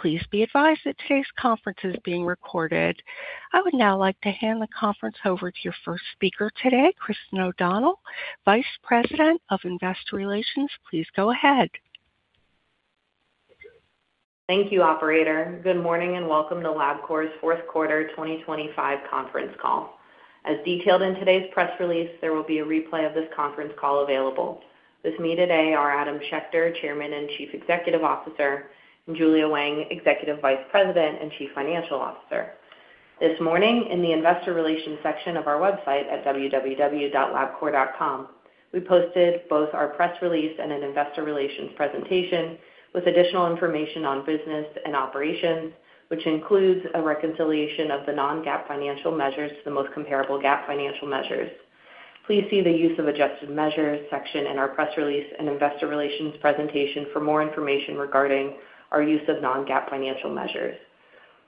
Please be advised that today's conference is being recorded. I would now like to hand the conference over to your first speaker today, Christin O'Donnell, Vice President of Investor Relations. Please go ahead. Thank you, operator. Good morning, and welcome to Labcorp's fourth quarter 2025 conference call. As detailed in today's press release, there will be a replay of this conference call available. With me today are Adam Schechter, Chairman and Chief Executive Officer, and Julia Wang, Executive Vice President and Chief Financial Officer. This morning, in the investor Relations section of our website at www.Labcorp.com, we posted both our press release and an investor relations presentation with additional information on business and operations, which includes a reconciliation of the non-GAAP financial measures to the most comparable GAAP financial measures. Please see the use of adjusted measures section in our press release and investor relations presentation for more information regarding our use of non-GAAP financial measures.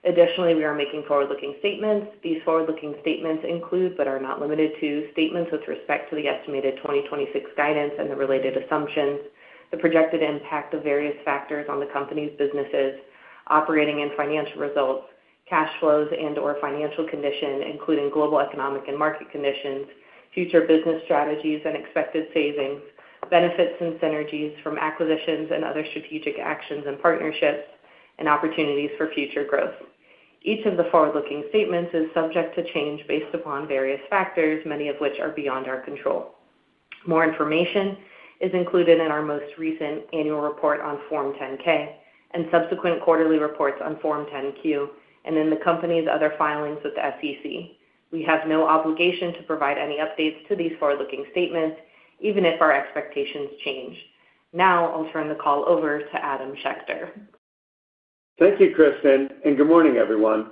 Additionally, we are making forward-looking statements. These forward-looking statements include, but are not limited to, statements with respect to the estimated 2026 guidance and the related assumptions, the projected impact of various factors on the company's businesses, operating and financial results, cash flows and/or financial condition, including global economic and market conditions, future business strategies and expected savings, benefits and synergies from acquisitions and other strategic actions and partnerships, and opportunities for future growth. Each of the forward-looking statements is subject to change based upon various factors, many of which are beyond our control. More information is included in our most recent annual report on Form 10-K and subsequent quarterly reports on Form 10-Q, and in the company's other filings with the SEC. We have no obligation to provide any updates to these forward-looking statements, even if our expectations change. Now I'll turn the call over to Adam Schechter. Thank you, Christin, and good morning, everyone.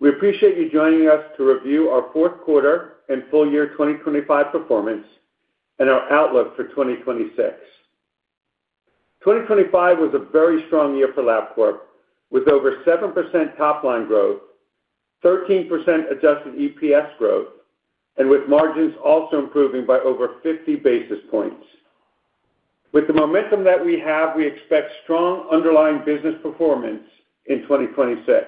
We appreciate you joining us to review our fourth quarter and full year 2025 performance and our outlook for 2026. 2025 was a very strong year for Labcorp, with over 7% top-line growth, 13% adjusted EPS growth, and with margins also improving by over 50 basis points. With the momentum that we have, we expect strong underlying business performance in 2026.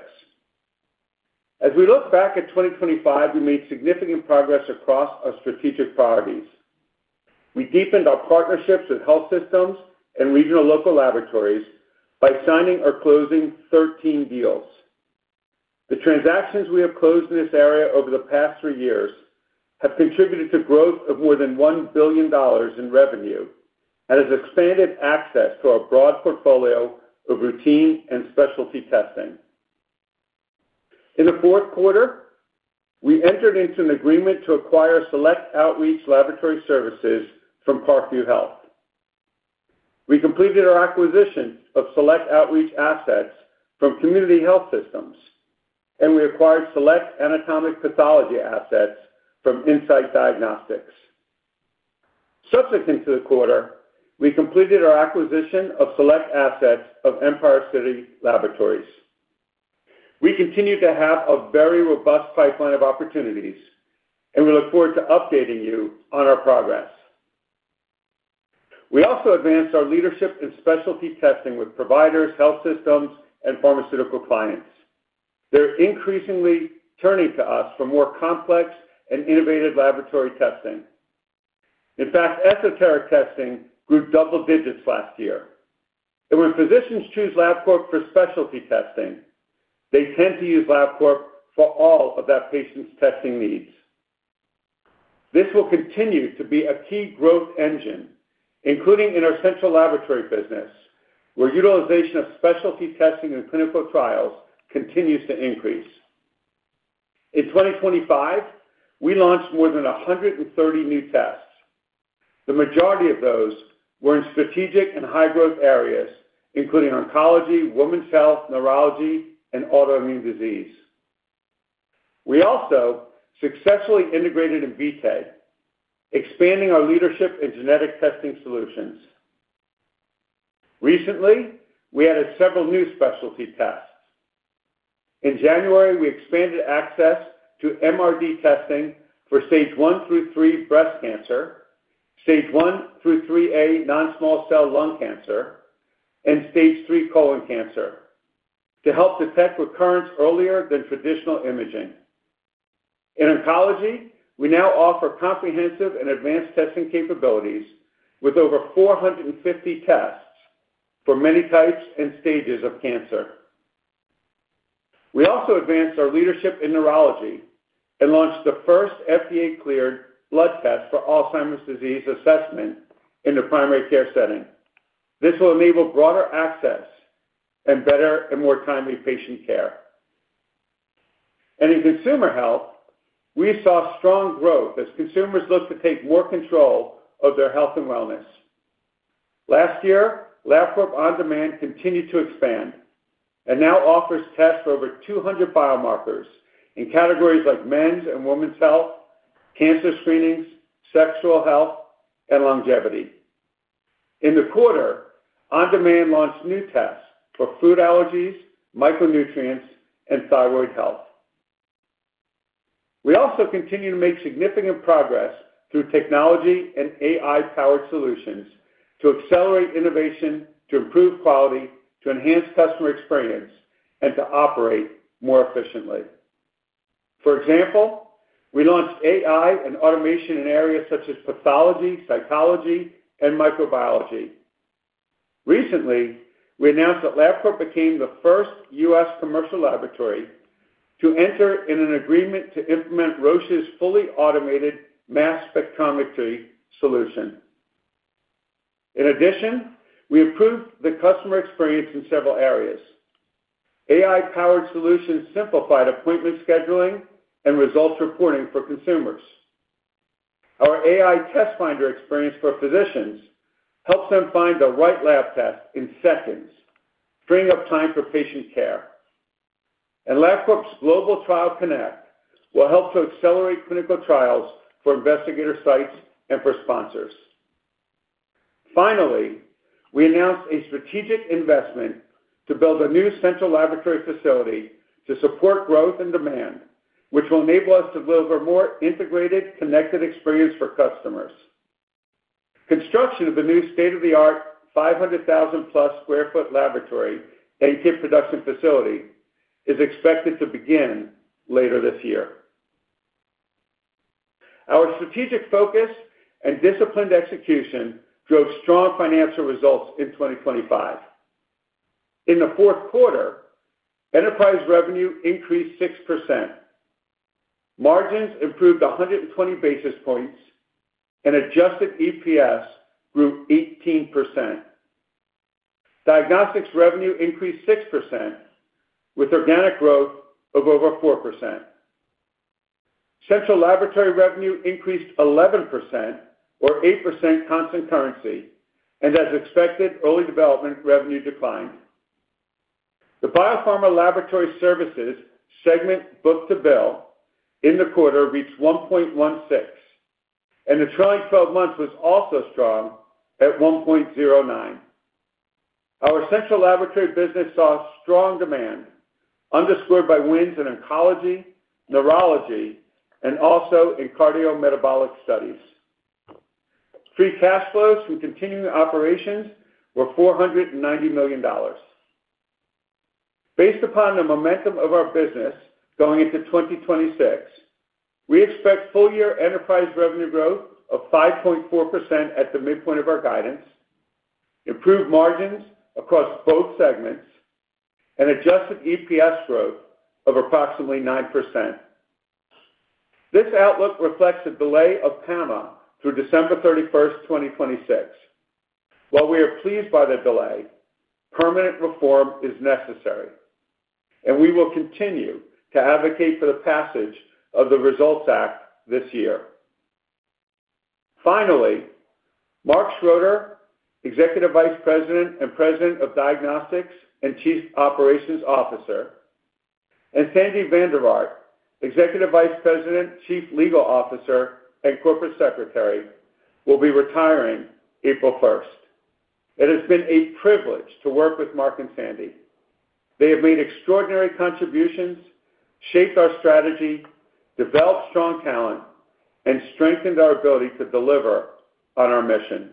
As we look back at 2025, we made significant progress across our strategic priorities. We deepened our partnerships with health systems and regional local laboratories by signing or closing 13 deals. The transactions we have closed in this area over the past three years have contributed to growth of more than $1 billion in revenue and has expanded access to our broad portfolio of routine and specialty testing. In the fourth quarter, we entered into an agreement to acquire select outreach laboratory services from Parkview Health. We completed our acquisition of select outreach assets from Community Health Systems, and we acquired select anatomic pathology assets from Incyte Diagnostics. Subsequent to the quarter, we completed our acquisition of select assets of Empire City Laboratories. We continue to have a very robust pipeline of opportunities, and we look forward to updating you on our progress. We also advanced our leadership in specialty testing with providers, health systems, and pharmaceutical clients. They're increasingly turning to us for more complex and innovative laboratory testing. In fact, esoteric testing grew double digits last year. When physicians choose Labcorp for specialty testing, they tend to use Labcorp for all of that patient's testing needs. This will continue to be a key growth engine, including in our central laboratory business, where utilization of specialty testing and clinical trials continues to increase. In 2025, we launched more than 130 new tests. The majority of those were in strategic and high-growth areas, including oncology, women's health, neurology, and autoimmune disease. We also successfully integrated Invitae, expanding our leadership in genetic testing solutions. Recently, we added several new specialty tests. In January, we expanded access to MRD testing for stage I-III breast cancer, stage I-IIIA non-small cell lung cancer, and stage III colon cancer to help detect recurrence earlier than traditional imaging. In oncology, we now offer comprehensive and advanced testing capabilities with over 450 tests for many types and stages of cancer. We also advanced our leadership in neurology and launched the first FDA-cleared blood test for Alzheimer's disease assessment in the primary care setting. This will enable broader access and better and more timely patient care. In consumer health, we saw strong growth as consumers look to take more control of their health and wellness. Last year, Labcorp OnDemand continued to expand and now offers tests for over 200 biomarkers in categories like men's and women's health, cancer screenings, sexual health, and longevity. In the quarter, OnDemand launched new tests for food allergies, micronutrients, and thyroid health. We also continue to make significant progress through technology and AI-powered solutions to accelerate innovation, to improve quality, to enhance customer experience, and to operate more efficiently. For example, we launched AI and automation in areas such as pathology, psychology, and microbiology. Recently, we announced that Labcorp became the first U.S. commercial laboratory to enter into an agreement to implement Roche's fully automated mass spectrometry solution. In addition, we improved the customer experience in several areas. AI-powered solutions simplified appointment scheduling and results reporting for consumers. Our AI Test Finder experience for physicians helps them find the right lab test in seconds, freeing up time for patient care. Labcorp's Global Trial Connect will help to accelerate clinical trials for investigator sites and for sponsors. Finally, we announced a strategic investment to build a new central laboratory facility to support growth and demand, which will enable us to deliver more integrated, connected experience for customers. Construction of the new state-of-the-art, 500,000+ sq ft laboratory and kit production facility is expected to begin later this year. Our strategic focus and disciplined execution drove strong financial results in 2025. In the fourth quarter, enterprise revenue increased 6%, margins improved 120 basis points, and adjusted EPS grew 18%. Diagnostics revenue increased 6%, with organic growth of over 4%. Central laboratory revenue increased 11% or 8% constant currency, and as expected, Early Development revenue declined. The Biopharma Laboratory Services segment book-to-bill in the quarter reached 1.16, and the trailing 12 months was also strong at 1.09. Our central laboratory business saw strong demand, underscored by wins in oncology, neurology, and also in cardiometabolic studies. Free cash flows from continuing operations were $490 million. Based upon the momentum of our business going into 2026, we expect full-year enterprise revenue growth of 5.4% at the midpoint of our guidance, improved margins across both segments, and adjusted EPS growth of approximately 9%. This outlook reflects the delay of PAMA through December 31st, 2026. While we are pleased by the delay, permanent reform is necessary, and we will continue to advocate for the passage of the RESULTS Act this year. Finally, Mark Schroeder, Executive Vice President, President of Diagnostics, and Chief Operations Officer, and Sandy van der Vaart, Executive Vice President, Chief Legal Officer, and Corporate Secretary, will be retiring April 1st. It has been a privilege to work with Mark and Sandy. They have made extraordinary contributions, shaped our strategy, developed strong talent, and strengthened our ability to deliver on our mission.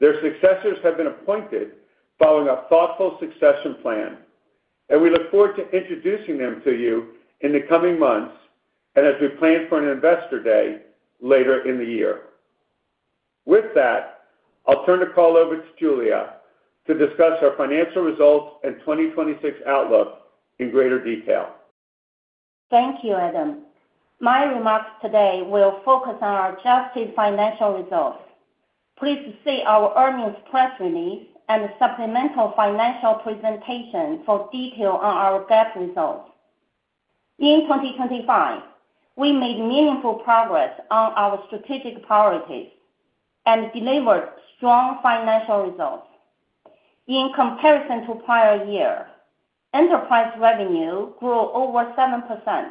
Their successors have been appointed following a thoughtful succession plan, and we look forward to introducing them to you in the coming months and as we plan for an Investor Day later in the year. With that, I'll turn the call over to Julia to discuss our financial results and 2026 outlook in greater detail. Thank you, Adam. My remarks today will focus on our adjusted financial results. Please see our earnings press release and supplemental financial presentation for detail on our GAAP results. In 2025, we made meaningful progress on our strategic priorities and delivered strong financial results. In comparison to prior year, enterprise revenue grew over 7%,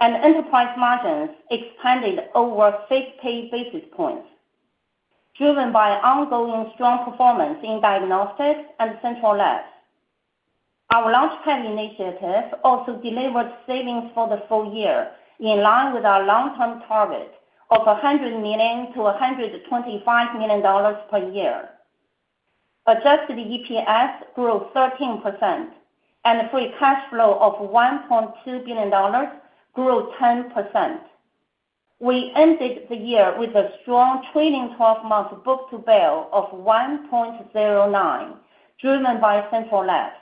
and enterprise margins expanded over 50 basis points, driven by ongoing strong performance in Diagnostics and Central Labs. Our LaunchPad initiative also delivered savings for the full year, in line with our long-term target of $100 million-$125 million per year. Adjusted EPS grew 13%, and free cash flow of $1.2 billion grew 10%. We ended the year with a strong trailing 12-month book-to-bill of 1.09, driven by Central Labs.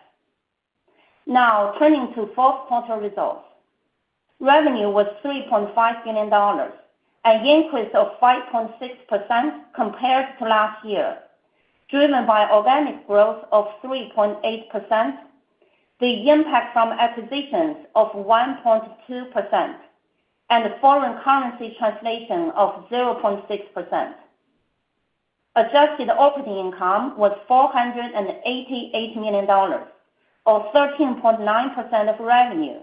Now, turning to fourth quarter results. Revenue was $3.5 billion, an increase of 5.6% compared to last year, driven by organic growth of 3.8%, the impact from acquisitions of 1.2%, and foreign currency translation of 0.6%. Adjusted operating income was $488 million, or 13.9% of revenue,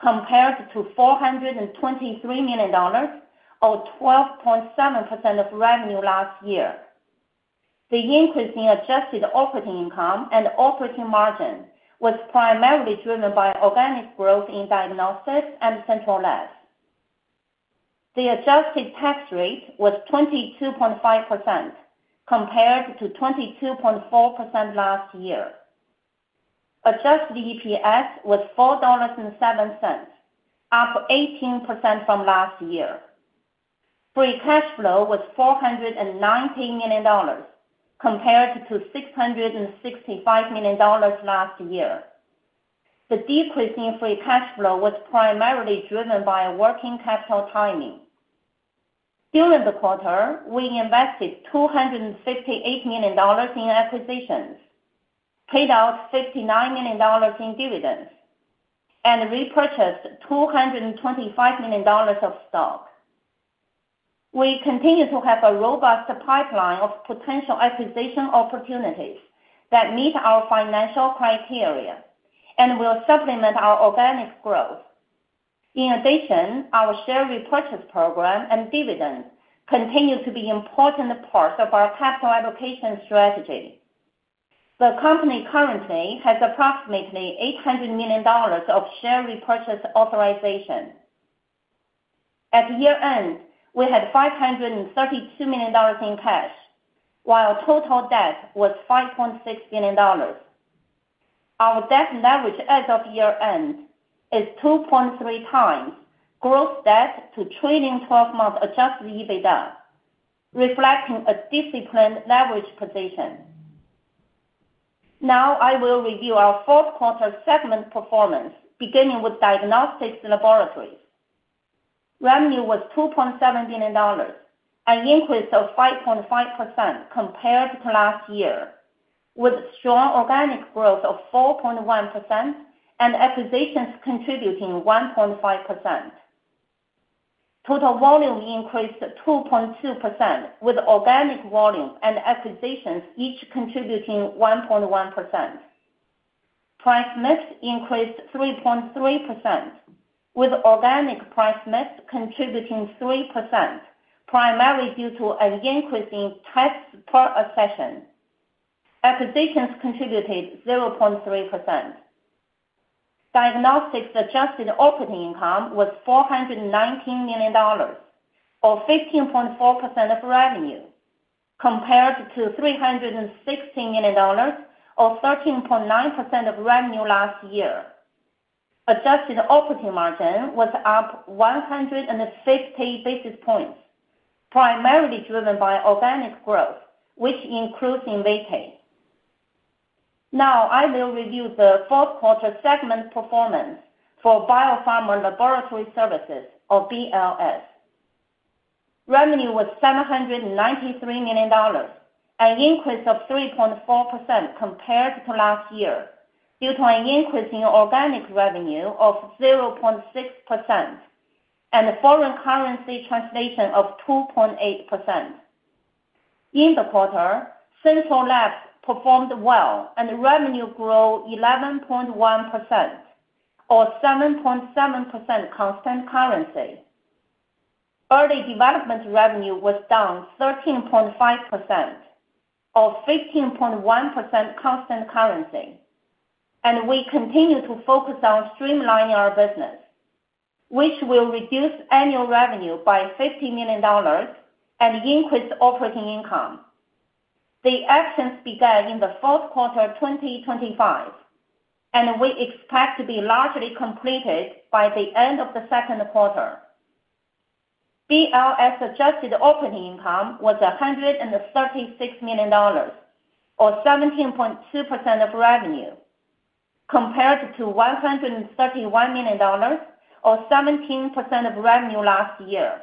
compared to $423 million, or 12.7% of revenue last year. The increase in adjusted operating income and operating margin was primarily driven by organic growth in Diagnostics and Central Labs. The adjusted tax rate was 22.5%, compared to 22.4% last year. Adjusted EPS was $4.07, up 18% from last year. Free cash flow was $490 million, compared to $665 million last year. The decrease in free cash flow was primarily driven by working capital timing. During the quarter, we invested $258 million in acquisitions, paid out $59 million in dividends, and repurchased $225 million of stock. We continue to have a robust pipeline of potential acquisition opportunities that meet our financial criteria and will supplement our organic growth. In addition, our share repurchase program and dividends continue to be important parts of our capital allocation strategy. The company currently has approximately $800 million of share repurchase authorization. At year-end, we had $532 million in cash, while total debt was $5.6 billion. Our debt leverage as of year-end is 2.3x gross debt to trailing 12-month adjusted EBITDA, reflecting a disciplined leverage position. Now I will review our fourth quarter segment performance, beginning with diagnostics laboratories. Revenue was $2.7 billion, an increase of 5.5% compared to last year, with strong organic growth of 4.1% and acquisitions contributing 1.5%. Total volume increased 2.2%, with organic volume and acquisitions each contributing 1.1%. Price mix increased 3.3%, with organic price mix contributing 3%, primarily due to an increase in tests per accession. Acquisitions contributed 0.3%. Diagnostics adjusted operating income was $419 million, or 15.4% of revenue, compared to $316 million, or 13.9% of revenue last year. Adjusted operating margin was up 160 basis points, primarily driven by organic growth, which increased in weight. Now I will review the fourth quarter segment performance for Biopharma Laboratory Services, or BLS. Revenue was $793 million, an increase of 3.4% compared to last year, due to an increase in organic revenue of 0.6% and a foreign currency translation of 2.8%. In the quarter, Central Labs performed well, and revenue grew 11.1%, or 7.7% constant currency. Early development revenue was down 13.5%, or 15.1% constant currency. We continue to focus on streamlining our business, which will reduce annual revenue by $50 million and increase operating income. The actions began in the fourth quarter of 2025, and we expect to be largely completed by the end of the second quarter. BLS adjusted operating income was $136 million, or 17.2% of revenue, compared to $131 million, or 17% of revenue last year.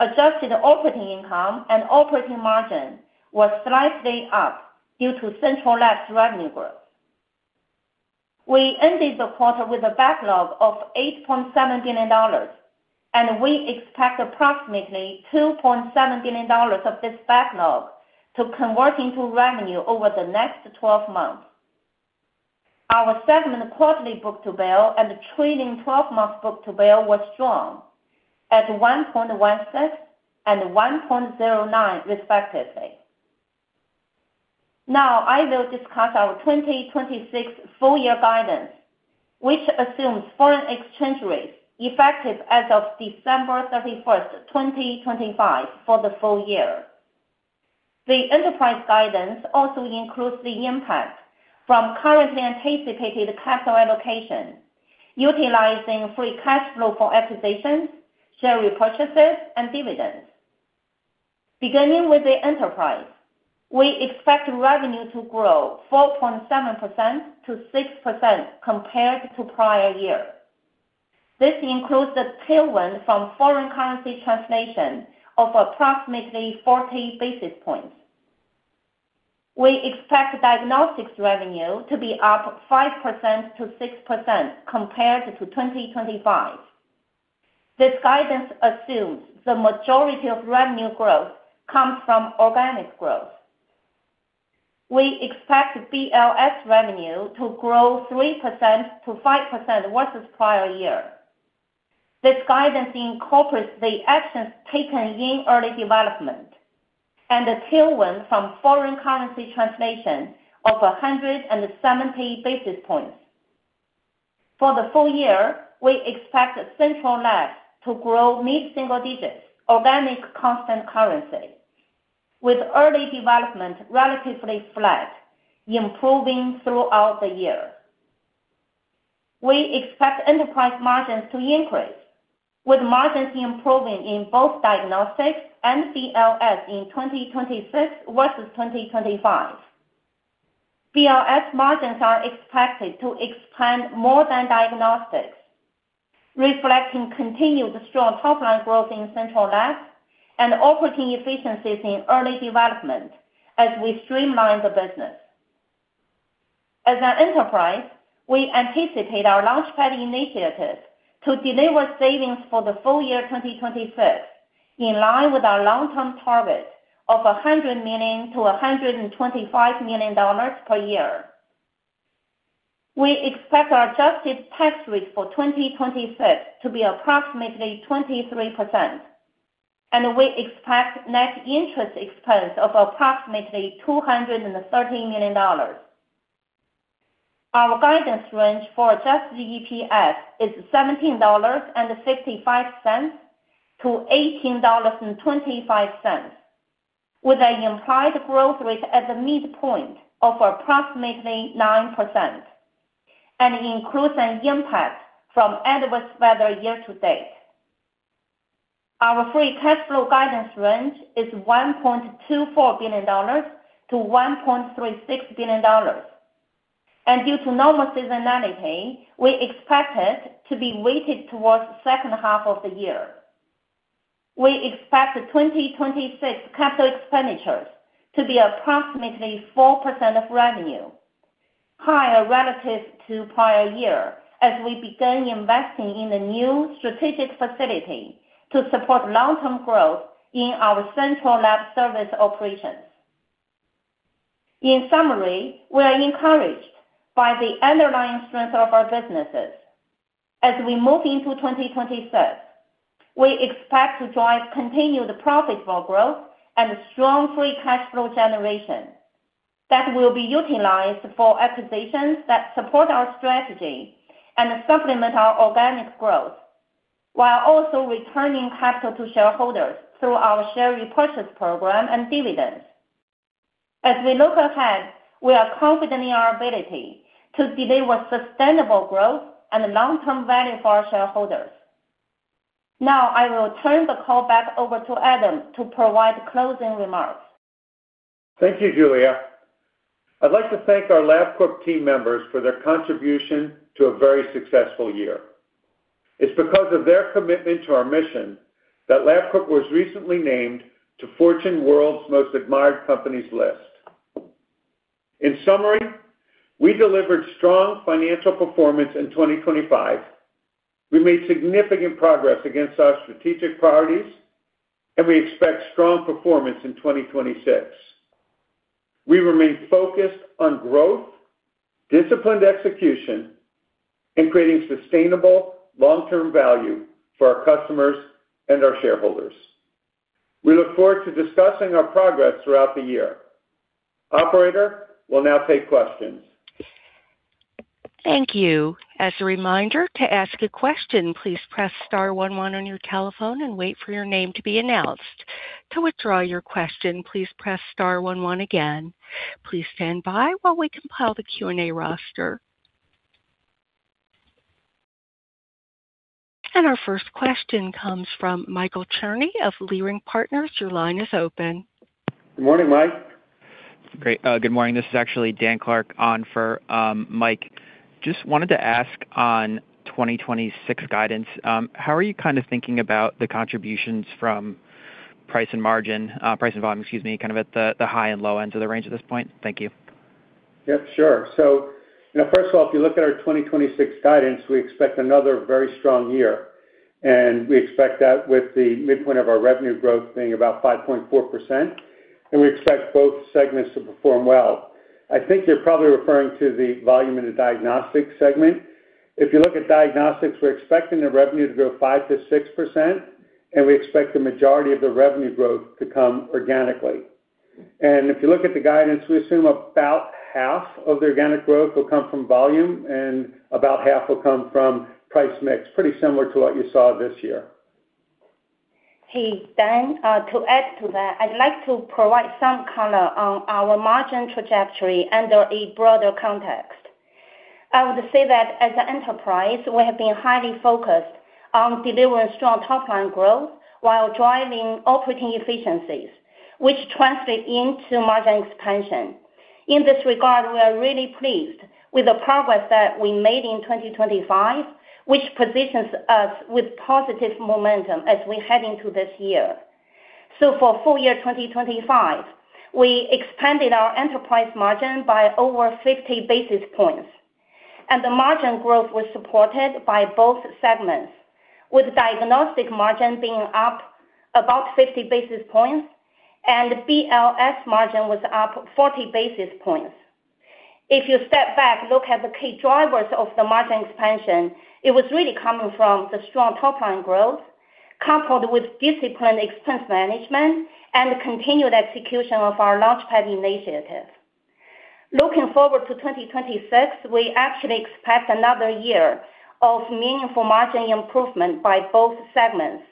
Adjusted operating income and operating margin was slightly up due to Central Labs revenue growth. We ended the quarter with a backlog of $8.7 billion, and we expect approximately $2.7 billion of this backlog to convert into revenue over the next 12 months. Our segment quarterly book-to-bill and trailing 12-month book-to-bill was strong at 1.16 and 1.09, respectively. Now I will discuss our 2026 full year guidance, which assumes foreign exchange rates effective as of December 31st, 2025, for the full year. The enterprise guidance also includes the impact from currently anticipated capital allocation, utilizing free cash flow for acquisitions, share repurchases, and dividends. Beginning with the enterprise, we expect revenue to grow 4.7%-6% compared to prior year. This includes a tailwind from foreign currency translation of approximately 40 basis points. We expect diagnostics revenue to be up 5%-6% compared to 2025. This guidance assumes the majority of revenue growth comes from organic growth. We expect BLS revenue to grow 3%-5% versus prior year. This guidance incorporates the actions taken in Early Development and the tailwind from foreign currency translation of 170 basis points. For the full year, we expect Central Labs to grow mid-single digits, organic constant currency, with Early Development relatively flat, improving throughout the year. We expect enterprise margins to increase, with margins improving in both Diagnostics and BLS in 2026 versus 2025. BLS margins are expected to expand more than Diagnostics, reflecting continued strong top-line growth in Central Labs and operating efficiencies in Early Development as we streamline the business. As an enterprise, we anticipate our LaunchPad initiatives to deliver savings for the full year 2026, in line with our long-term target of $100 million-$125 million per year. We expect our adjusted tax rate for 2026 to be approximately 23%, and we expect net interest expense of approximately $230 million. Our guidance range for adjusted EPS is $17.65-$18.25, with an implied growth rate at the midpoint of approximately 9% and includes an impact from adverse weather year-to-date. Our free cash flow guidance range is $1.24 billion-$1.36 billion. And due to normal seasonality, we expect it to be weighted towards the second half of the year. We expect the 2026 capital expenditures to be approximately 4% of revenue, higher relative to prior year, as we begin investing in a new strategic facility to support long-term growth in our Central Labs service operations. In summary, we are encouraged by the underlying strength of our businesses. As we move into 2026, we expect to drive continued profitable growth and strong free cash flow generation that will be utilized for acquisitions that support our strategy and supplement our organic growth, while also returning capital to shareholders through our share repurchase program and dividends. As we look ahead, we are confident in our ability to deliver sustainable growth and long-term value for our shareholders. Now, I will turn the call back over to Adam to provide closing remarks. Thank you, Julia. I'd like to thank our Labcorp team members for their contribution to a very successful year. It's because of their commitment to our mission that Labcorp was recently named to Fortune World's Most Admired Companies list. In summary, we delivered strong financial performance in 2025. We made significant progress against our strategic priorities, and we expect strong performance in 2026. We remain focused on growth, disciplined execution, and creating sustainable long-term value for our customers and our shareholders. We look forward to discussing our progress throughout the year. Operator, we'll now take questions. Thank you. As a reminder, to ask a question, please press star one one on your telephone and wait for your name to be announced. To withdraw your question, please press star one one again. Please stand by while we compile the Q&A roster. Our first question comes from Michael Cherny of Leerink Partners. Your line is open. Good morning, Mike. Great. Good morning. This is actually Dan Clark on for Mike. Just wanted to ask on 2026 guidance, how are you kind of thinking about the contributions from price and margin, price and volume, excuse me, kind of at the high and low ends of the range at this point? Thank you. Yep, sure. So, you know, first of all, if you look at our 2026 guidance, we expect another very strong year, and we expect that with the midpoint of our revenue growth being about 5.4%, and we expect both segments to perform well. I think you're probably referring to the volume in the diagnostics segment. If you look at diagnostics, we're expecting the revenue to grow 5%-6%, and we expect the majority of the revenue growth to come organically. And if you look at the guidance, we assume about half of the organic growth will come from volume and about half will come from price mix. Pretty similar to what you saw this year. Hey, Dan, to add to that, I'd like to provide some color on our margin trajectory under a broader context. I would say that as an enterprise, we have been highly focused on delivering strong top-line growth while driving operating efficiencies, which translate into margin expansion. In this regard, we are really pleased with the progress that we made in 2025, which positions us with positive momentum as we head into this year. So for full year 2025, we expanded our enterprise margin by over 50 basis points, and the margin growth was supported by both segments, with diagnostic margin being up about 50 basis points and BLS margin was up 40 basis points. If you step back, look at the key drivers of the margin expansion, it was really coming from the strong top line growth, coupled with disciplined expense management and continued execution of our LaunchPad initiative. Looking forward to 2026, we actually expect another year of meaningful margin improvement by both segments.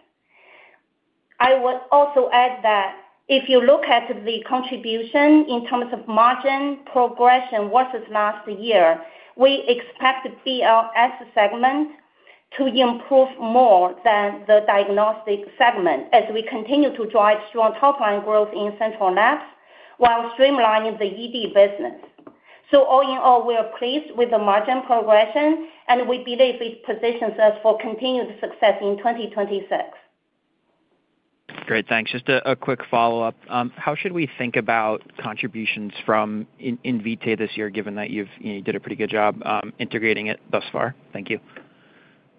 I would also add that if you look at the contribution in terms of margin progression versus last year, we expect the BLS segment to improve more than the diagnostic segment as we continue to drive strong top line growth in Central Labs while streamlining the ED business. So all in all, we are pleased with the margin progression, and we believe it positions us for continued success in 2026. Great, thanks. Just a quick follow-up. How should we think about contributions from Invitae this year, given that you've, you know, did a pretty good job, integrating it thus far? Thank you.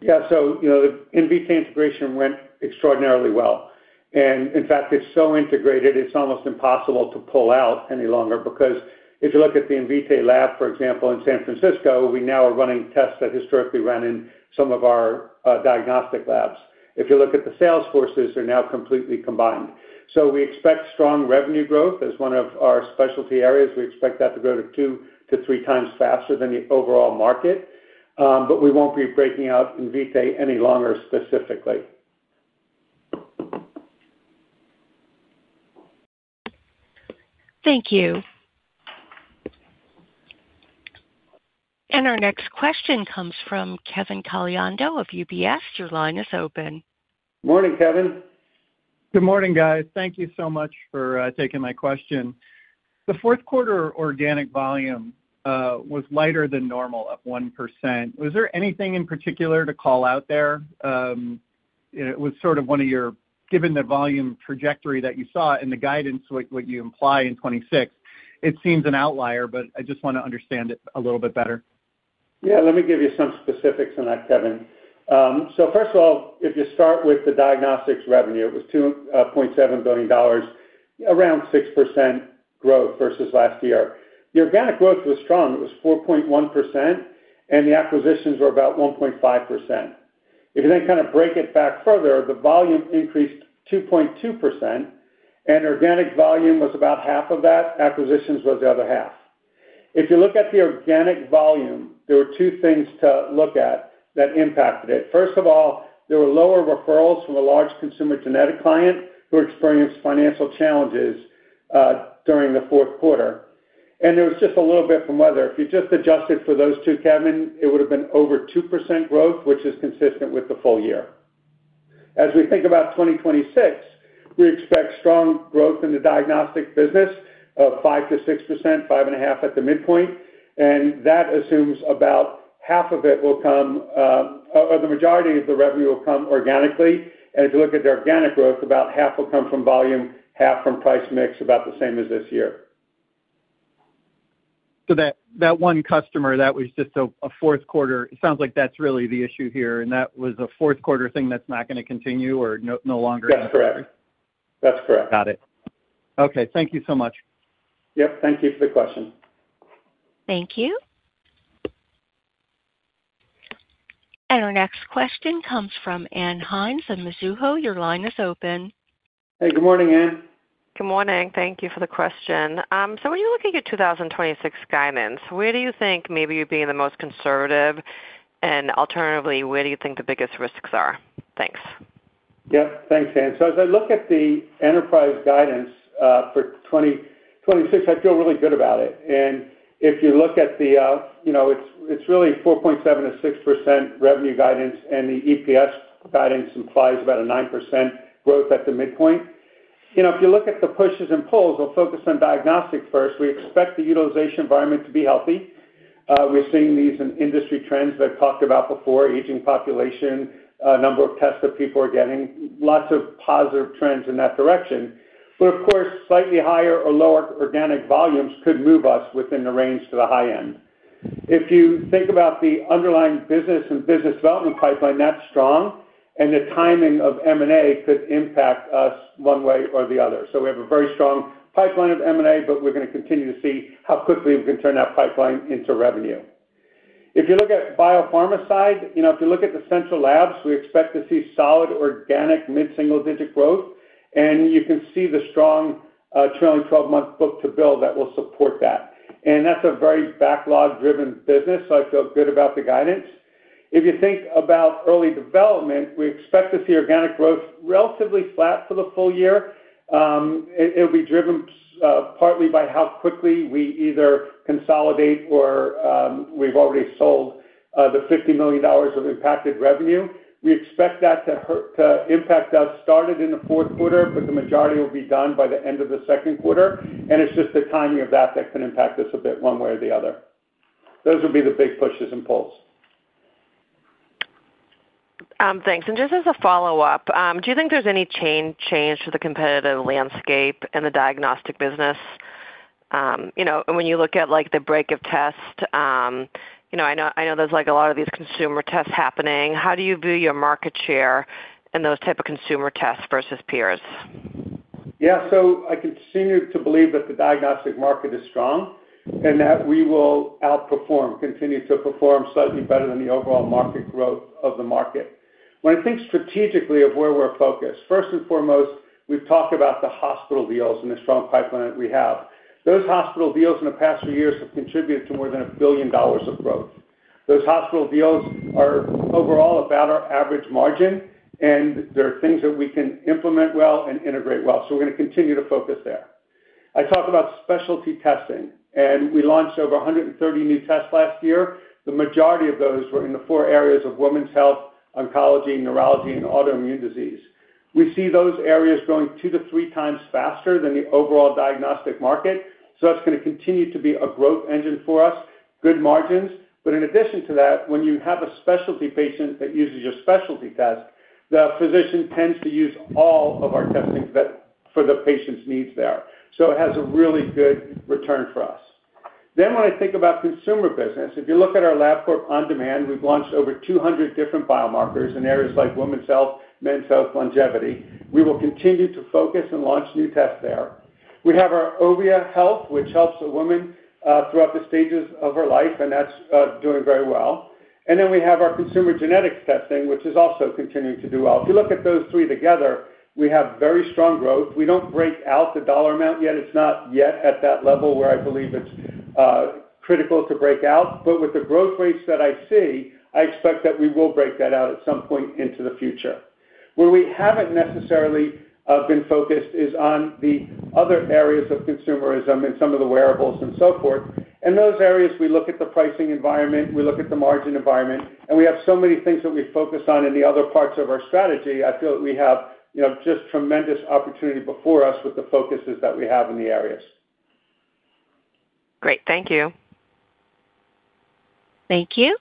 Yeah, so, you know, the Invitae integration went extraordinarily well, and in fact, it's so integrated, it's almost impossible to pull out any longer, because if you look at the Invitae lab, for example, in San Francisco, we now are running tests that historically ran in some of our, diagnostic labs. If you look at the sales forces, they're now completely combined. So we expect strong revenue growth as one of our specialty areas. We expect that to grow to 2x-3x faster than the overall market, but we won't be breaking out Invitae any longer, specifically. Thank you. And our next question comes from Kevin Caliendo of UBS. Your line is open. Morning, Kevin. Good morning, guys. Thank you so much for taking my question. The fourth quarter organic volume was lighter than normal at 1%. Was there anything in particular to call out there? It was sort of one of your, given the volume trajectory that you saw in the guidance, what you imply in 2026, it seems an outlier, but I just want to understand it a little bit better. Yeah, let me give you some specifics on that, Kevin. So first of all, if you start with the diagnostics revenue, it was $2.7 billion, around 6% growth versus last year. The organic growth was strong. It was 4.1%, and the acquisitions were about 1.5%. If you then kind of break it back further, the volume increased 2.2%, and organic volume was about half of that, acquisitions was the other half. If you look at the organic volume, there were two things to look at that impacted it. First of all, there were lower referrals from a large consumer genetic client who experienced financial challenges during the fourth quarter. And there was just a little bit from weather. If you just adjusted for those two, Kevin, it would have been over 2% growth, which is consistent with the full year. As we think about 2026, we expect strong growth in the diagnostic business of 5%-6%, 5.5% at the midpoint, and that assumes about half of it will come, or the majority of the revenue will come organically. And if you look at the organic growth, about half will come from volume, half from price mix, about the same as this year. So that one customer that was just a fourth quarter. It sounds like that's really the issue here, and that was a fourth quarter thing that's not gonna continue or no longer? That's correct. That's correct. Got it. Okay, thank you so much. Yep, thank you for the question. Thank you. Our next question comes from Ann Hynes of Mizuho. Your line is open. Hey, good morning, Ann. Good morning. Thank you for the question. So when you're looking at 2026 guidance, where do you think maybe you're being the most conservative? And alternatively, where do you think the biggest risks are? Thanks. Yep. Thanks, Ann. So as I look at the enterprise guidance for 2026, I feel really good about it. And if you look at the, you know, it's really 4.7%-6% revenue guidance, and the EPS guidance implies about a 9% growth at the midpoint. You know, if you look at the pushes and pulls, we'll focus on diagnostics first. We expect the utilization environment to be healthy. We're seeing these in industry trends that I've talked about before, aging population, a number of tests that people are getting, lots of positive trends in that direction. But of course, slightly higher or lower organic volumes could move us within the range to the high end. If you think about the underlying business and business development pipeline, that's strong, and the timing of M&A could impact us one way or the other. So we have a very strong pipeline of M&A, but we're gonna continue to see how quickly we can turn that pipeline into revenue. If you look at Biopharma side, you know, if you look at the Central Labs, we expect to see solid, organic, mid-single-digit growth, and you can see the strong trailing 12-month book-to-bill that will support that. And that's a very backlog-driven business, so I feel good about the guidance. If you think about Early Development, we expect to see organic growth relatively flat for the full year. It'll be driven partly by how quickly we either consolidate or we've already sold the $50 million of impacted revenue. We expect that to impact us, started in the fourth quarter, but the majority will be done by the end of the second quarter, and it's just the timing of that that can impact us a bit, one way or the other. Those would be the big pushes and pulls. Thanks. And just as a follow-up, do you think there's any change to the competitive landscape in the diagnostic business? You know, when you look at, like, the break of tests, you know, I know there's like a lot of these consumer tests happening. How do you view your market share in those type of consumer tests versus peers? Yeah, so I continue to believe that the diagnostic market is strong, and that we will outperform, continue to perform slightly better than the overall market growth of the market. When I think strategically of where we're focused, first and foremost, we've talked about the hospital deals and the strong pipeline that we have. Those hospital deals in the past few years have contributed to more than $1 billion of growth. Those hospital deals are overall about our average margin, and there are things that we can implement well and integrate well. So we're gonna continue to focus there. I talked about specialty testing, and we launched over 130 new tests last year. The majority of those were in the four areas of women's health, oncology, neurology, and autoimmune disease. We see those areas growing 2x-3x faster than the overall diagnostic market, so that's gonna continue to be a growth engine for us, good margins. But in addition to that, when you have a specialty patient that uses your specialty test, the physician tends to use all of our testings that, for the patient's needs there. So it has a really good return for us. Then when I think about consumer business, if you look at our Labcorp OnDemand, we've launched over 200 different biomarkers in areas like women's health, men's health, longevity. We will continue to focus and launch new tests there. We have our Ovia Health, which helps a woman throughout the stages of her life, and that's doing very well. And then we have our consumer genetic testing, which is also continuing to do well. If you look at those three together, we have very strong growth. We don't break out the dollar amount yet. It's not yet at that level where I believe it's critical to break out. But with the growth rates that I see, I expect that we will break that out at some point into the future. Where we haven't necessarily been focused is on the other areas of consumerism and some of the wearables and so forth. In those areas, we look at the pricing environment, we look at the margin environment, and we have so many things that we focus on in the other parts of our strategy. I feel like we have, you know, just tremendous opportunity before us with the focuses that we have in the areas. Great. Thank you. Thank you.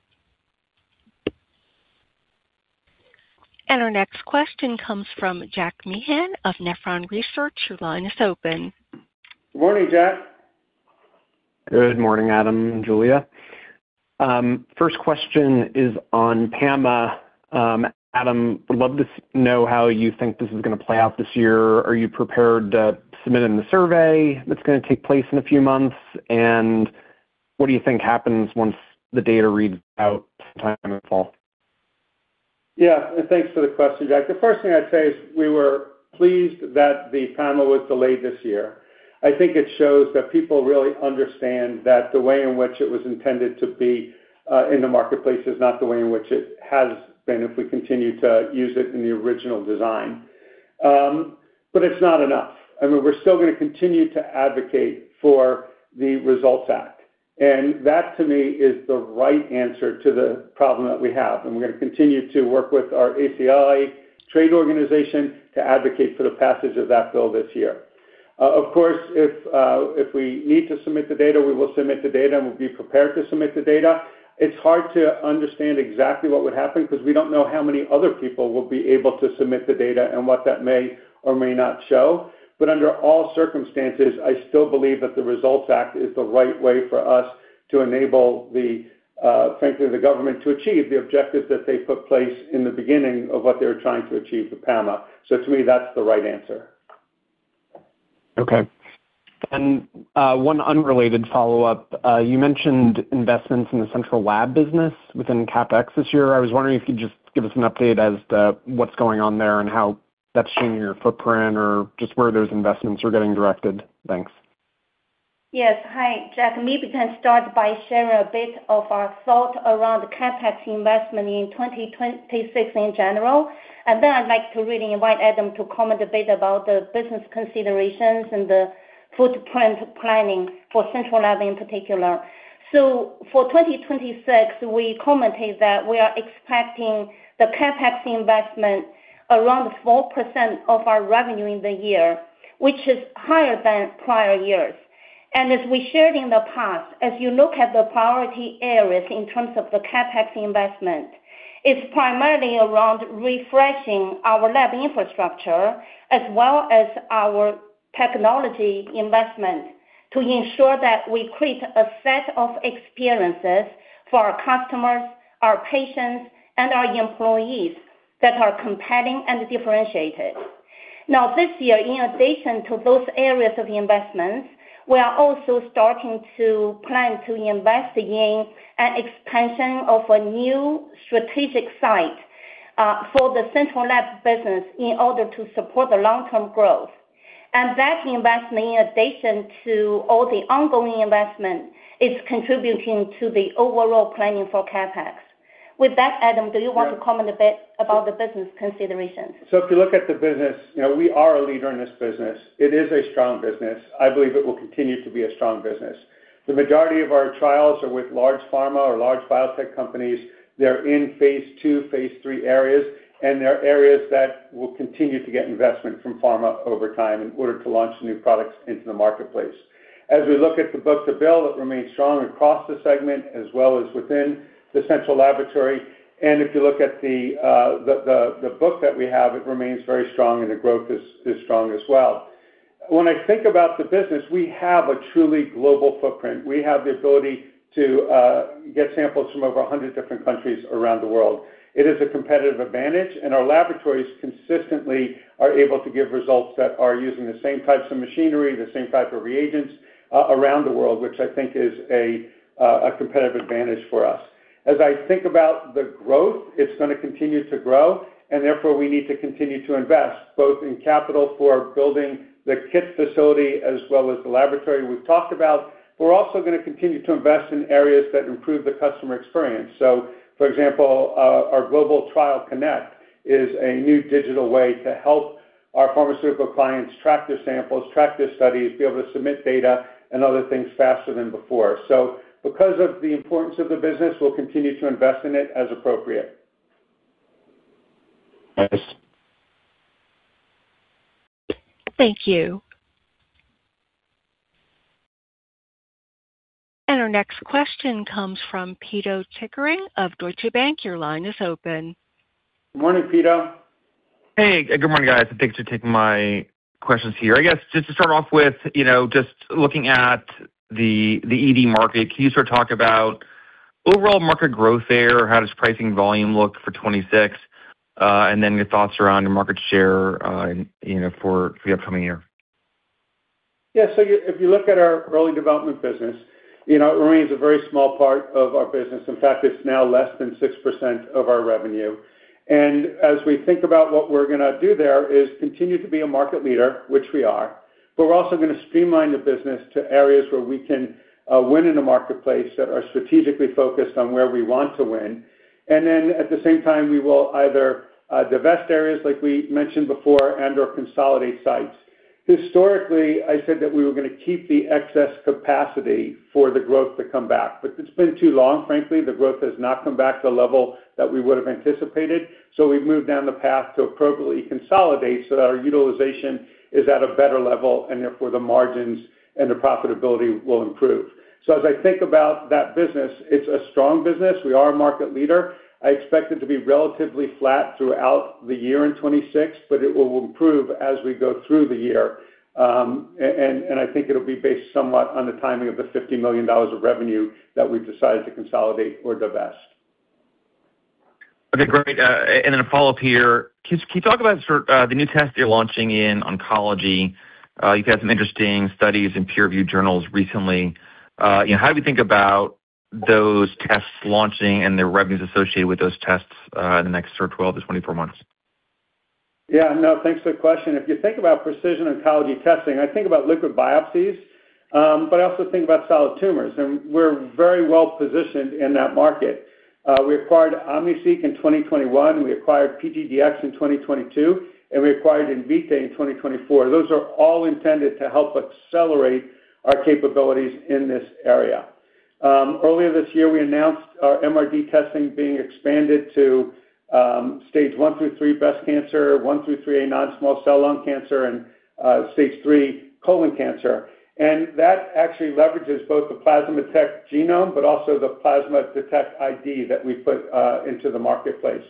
Our next question comes from Jack Meehan of Nephron Research. Your line is open. Good morning, Jack. Good morning, Adam and Julia. First question is on PAMA. Adam, would love to know how you think this is gonna play out this year. Are you prepared to submit in the survey that's gonna take place in a few months? And what do you think happens once the data reads out sometime in the fall? Yeah, and thanks for the question, Jack. The first thing I'd say is we were pleased that the PAMA was delayed this year. I think it shows that people really understand that the way in which it was intended to be in the marketplace is not the way in which it has been, if we continue to use it in the original design. But it's not enough. I mean, we're still gonna continue to advocate for the RESULTS Act, and that, to me, is the right answer to the problem that we have. And we're gonna continue to work with our ACLA trade organization to advocate for the passage of that bill this year. Of course, if we need to submit the data, we will submit the data, and we'll be prepared to submit the data. It's hard to understand exactly what would happen because we don't know how many other people will be able to submit the data and what that may or may not show. But under all circumstances, I still believe that the RESULTS Act is the right way for us to enable the, frankly, the government to achieve the objectives that they put in place in the beginning of what they were trying to achieve with PAMA. So to me, that's the right answer. Okay. One unrelated follow-up. You mentioned investments in the Central Labs business within CapEx this year. I was wondering if you could just give us an update as to what's going on there and how that's changing your footprint or just where those investments are getting directed. Thanks. Yes. Hi, Jack. Let me start by sharing a bit of our thought around the CapEx investment in 2026 in general. Then I'd like to really invite Adam to comment a bit about the business considerations and the footprint planning for central lab in particular. So for 2026, we commented that we are expecting the CapEx investment around 4% of our revenue in the year, which is higher than prior years. As we shared in the past, as you look at the priority areas in terms of the CapEx investment, it's primarily around refreshing our lab infrastructure as well as our technology investment, to ensure that we create a set of experiences for our customers, our patients, and our employees that are compelling and differentiated. Now, this year, in addition to those areas of investments, we are also starting to plan to invest in an expansion of a new strategic site for the Central Labs business in order to support the long-term growth. And that investment, in addition to all the ongoing investment, is contributing to the overall planning for CapEx. With that, Adam, do you want to comment a bit about the business considerations? So if you look at the business, you know, we are a leader in this business. It is a strong business. I believe it will continue to be a strong business. The majority of our trials are with large pharma or large biotech companies. They're in phase II, phase III areas, and they're areas that will continue to get investment from pharma over time in order to launch new products into the marketplace. As we look at the book-to-bill, it remains strong across the segment as well as within the central laboratory. And if you look at the book that we have, it remains very strong and the growth is strong as well. When I think about the business, we have a truly global footprint. We have the ability to get samples from over a hundred different countries around the world. It is a competitive advantage, and our laboratories consistently are able to give results that are using the same types of machinery, the same type of reagents, around the world, which I think is a, a competitive advantage for us. As I think about the growth, it's gonna continue to grow, and therefore, we need to continue to invest, both in capital for building the kit facility as well as the laboratory we've talked about. We're also gonna continue to invest in areas that improve the customer experience. So for example, our Global Trial Connect is a new digital way to help our pharmaceutical clients track their samples, track their studies, be able to submit data and other things faster than before. So because of the importance of the business, we'll continue to invest in it as appropriate. Thanks. Thank you. Our next question comes from Pito Chickering of Deutsche Bank. Your line is open. Good morning, Pito. Hey, good morning, guys. Thanks for taking my questions here. I guess just to start off with, you know, just looking at the ED market, can you sort of talk about overall market growth there? How does pricing volume look for 2026? And then your thoughts around your market share, you know, for the upcoming year. Yes, so if you look at our Early Development business, you know, it remains a very small part of our business. In fact, it's now less than 6% of our revenue. And as we think about what we're gonna do there, is continue to be a market leader, which we are, but we're also gonna streamline the business to areas where we can win in the marketplace, that are strategically focused on where we want to win. And then, at the same time, we will either divest areas, like we mentioned before, and/or consolidate sites. Historically, I said that we were gonna keep the excess capacity for the growth to come back, but it's been too long, frankly. The growth has not come back to the level that we would've anticipated, so we've moved down the path to appropriately consolidate so that our utilization is at a better level, and therefore, the margins and the profitability will improve. So as I think about that business, it's a strong business. We are a market leader. I expect it to be relatively flat throughout the year in 2026, but it will improve as we go through the year. And I think it'll be based somewhat on the timing of the $50 million of revenue that we've decided to consolidate or divest. Okay, great. And then a follow-up here. Can you talk about sort of the new tests you're launching in oncology? You've had some interesting studies in peer-reviewed journals recently. You know, how do we think about those tests launching and the revenues associated with those tests in the next sort of 12-24 months? Yeah, no, thanks for the question. If you think about precision oncology testing, I think about liquid biopsies, but I also think about solid tumors, and we're very well positioned in that market. We acquired OmniSeq in 2021, we acquired PGDx in 2022, and we acquired Invitae in 2024. Those are all intended to help accelerate our capabilities in this area. Earlier this year, we announced our MRD testing being expanded to stage I-III breast cancer, I-III non-small cell lung cancer, and stage III colon cancer. And that actually leverages both the Plasma Detect Genome, but also the Plasma Detect ID that we put into the marketplace.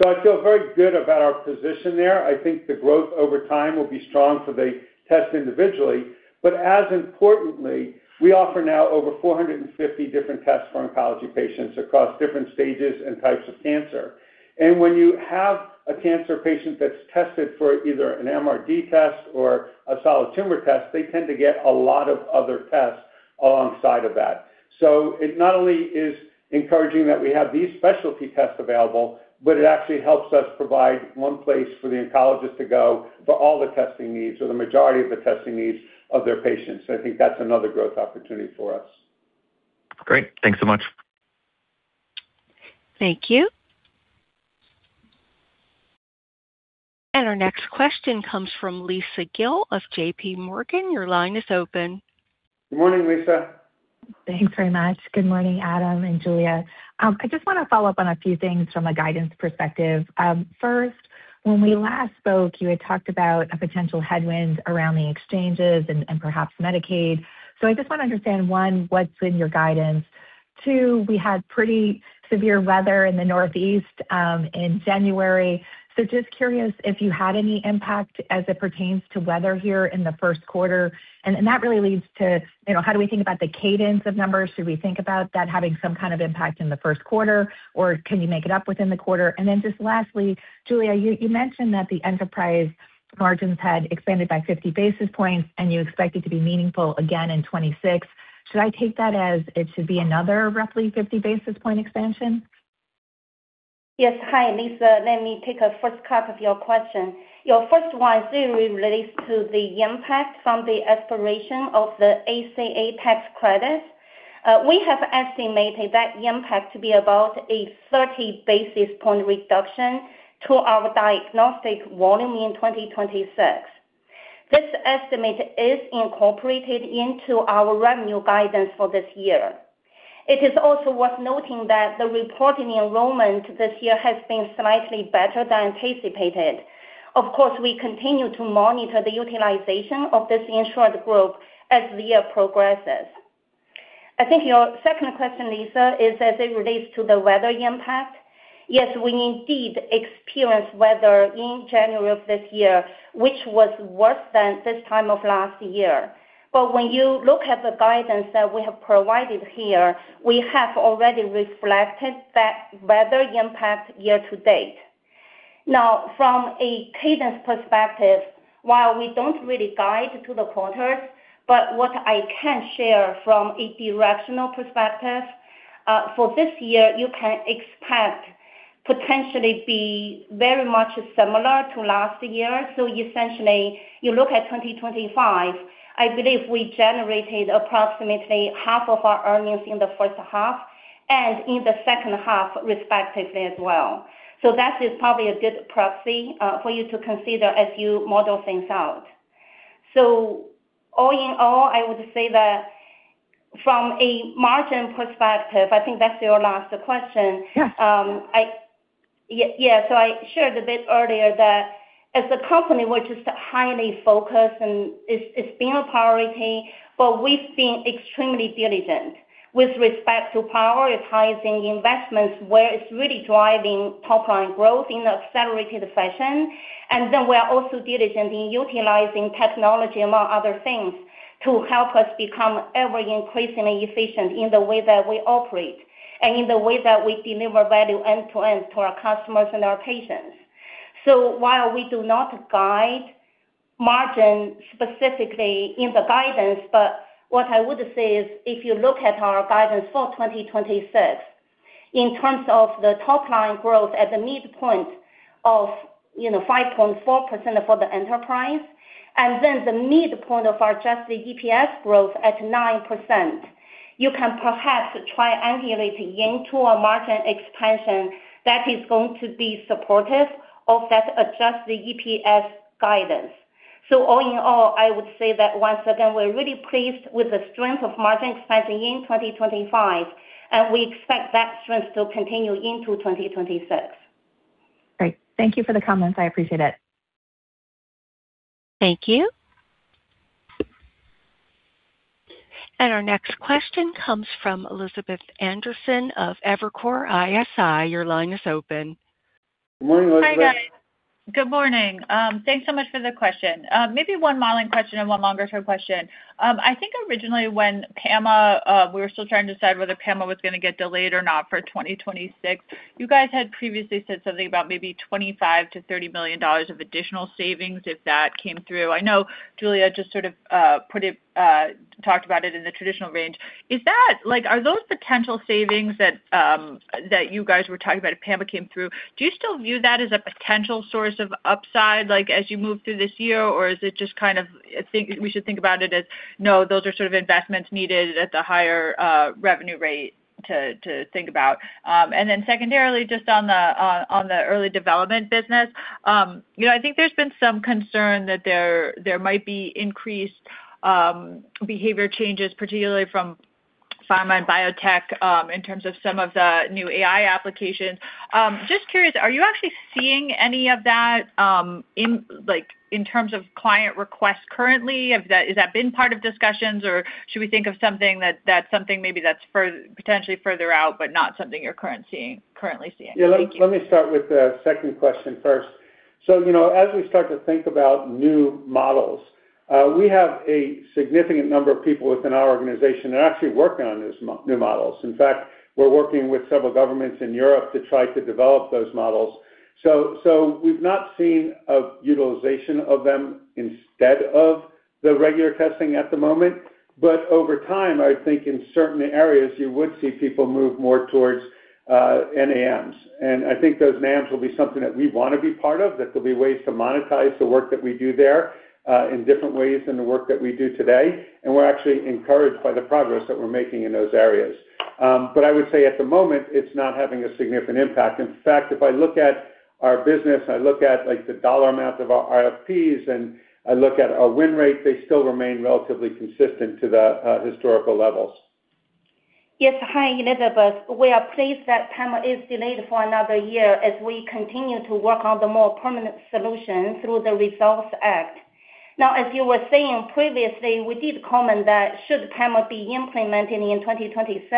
So I feel very good about our position there. I think the growth over time will be strong for the test individually, but as importantly, we offer now over 450 different tests for oncology patients across different stages and types of cancer. And when you have a cancer patient that's tested for either an MRD test or a solid tumor test, they tend to get a lot of other tests alongside of that. So it not only is encouraging that we have these specialty tests available, but it actually helps us provide one place for the oncologist to go for all the testing needs or the majority of the testing needs of their patients. I think that's another growth opportunity for us. Great. Thanks so much. Thank you. And our next question comes from Lisa Gill of J.P. Morgan. Your line is open. Good morning, Lisa. Thanks very much. Good morning, Adam and Julia. I just want to follow up on a few things from a guidance perspective. First, when we last spoke, you had talked about a potential headwind around the exchanges and perhaps Medicaid. So I just want to understand, one, what's in your guidance? Two, we had pretty severe weather in the Northeast in January. So just curious if you had any impact as it pertains to weather here in the first quarter. And that really leads to, you know, how do we think about the cadence of numbers? Should we think about that having some kind of impact in the first quarter, or can you make it up within the quarter? Then just lastly, Julia, you mentioned that the enterprise margins had expanded by 50 basis points, and you expect it to be meaningful again in 2026. Should I take that as it should be another roughly 50 basis point expansion? Yes. Hi, Lisa. Let me take a first crack of your question. Your first one is really related to the impact from the expiration of the ACA tax credit. We have estimated that impact to be about a 30 basis point reduction to our diagnostic volume in 2026. This estimate is incorporated into our revenue guidance for this year. It is also worth noting that the reporting enrollment this year has been slightly better than anticipated. Of course, we continue to monitor the utilization of this insured group as the year progresses. I think your second question, Lisa, is as it relates to the weather impact. Yes, we indeed experienced weather in January of this year, which was worse than this time of last year. But when you look at the guidance that we have provided here, we have already reflected that weather impact year-to-date. Now, from a cadence perspective, while we don't really guide to the quarters, but what I can share from a directional perspective, for this year, you can expect potentially be very much similar to last year. So essentially, you look at 2025, I believe we generated approximately half of our earnings in the first half and in the second half, respectively, as well. So that is probably a good proxy, for you to consider as you model things out. So all in all, I would say that from a margin perspective, I think that's your last question. Yes. Yes, so I shared a bit earlier that as a company, we're just highly focused, and it's been a priority, but we've been extremely diligent with respect to prioritizing investments where it's really driving top line growth in an accelerated fashion. And then we are also diligent in utilizing technology, among other things, to help us become ever increasingly efficient in the way that we operate and in the way that we deliver value end-to-end to our customers and our patients. So while we do not guide margin specifically in the guidance, but what I would say is, if you look at our guidance for 2026, in terms of the top line growth at the midpoint of, you know, 5.4% for the enterprise, and then the midpoint of our adjusted EPS growth at 9%, you can perhaps triangulate into a margin expansion that is going to be supportive of that adjusted EPS guidance. So all in all, I would say that once again, we're really pleased with the strength of margin expansion in 2025, and we expect that strength to continue into 2026. Great. Thank you for the comments. I appreciate it. Thank you. Our next question comes from Elizabeth Anderson of Evercore ISI. Your line is open. Morning, Elizabeth. Hi, guys. Good morning. Thanks so much for the question. Maybe one modeling question and one longer-term question. I think originally when PAMA, we were still trying to decide whether PAMA was gonna get delayed or not for 2026, you guys had previously said something about maybe $25 million-$30 million of additional savings if that came through. I know Julia just sort of, put it, talked about it in the traditional range. Is that, like, are those potential savings that, that you guys were talking about if PAMA came through, do you still view that as a potential source of upside, like, as you move through this year? Or is it just kind of, I think we should think about it as, no, those are sort of investments needed at the higher, revenue rate to, to think about. And then secondarily, just on the Early Development business, you know, I think there's been some concern that there might be increased behavior changes, particularly from pharma and biotech, in terms of some of the new AI applications. Just curious, are you actually seeing any of that, in like, in terms of client requests currently? Has that been part of discussions, or should we think of something that's potentially further out, but not something you're currently seeing? Thank you. Yeah, let me, let me start with the second question first. So, you know, as we start to think about new models, we have a significant number of people within our organization that are actually working on these new models. In fact, we're working with several governments in Europe to try to develop those models. So, so we've not seen a utilization of them instead of the regular testing at the moment. But over time, I think in certain areas, you would see people move more towards NAMs. And I think those NAMs will be something that we want to be part of, that there'll be ways to monetize the work that we do there, in different ways than the work that we do today. And we're actually encouraged by the progress that we're making in those areas. But I would say at the moment, it's not having a significant impact. In fact, if I look at our business, I look at, like, the dollar amount of our RFPs, and I look at our win rate, they still remain relatively consistent to the historical levels. Yes. Hi, Elizabeth. We are pleased that PAMA is delayed for another year as we continue to work on the more permanent solution through the RESULTS Act. Now, as you were saying previously, we did comment that should PAMA be implemented in 2026,